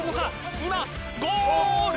今、ゴール。